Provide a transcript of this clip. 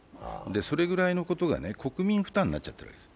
それぐらいのことが国民負担になっちゃってるんです。